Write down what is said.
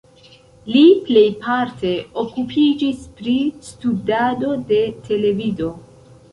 Li plejparte okupiĝis pri studado de televido.